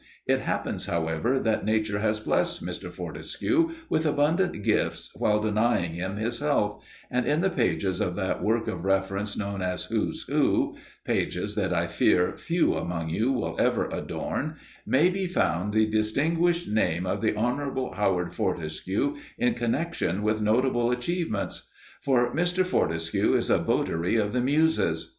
It happens, however, that Nature has blessed Mr. Fortescue with abundant gifts while denying him his health, and in the pages of that work of reference known as 'Who's Who' pages that I fear few among you will ever adorn may be found the distinguished name of the Honourable Howard Fortescue in connection with notable achievements. For Mr. Fortescue is a votary of the Muses.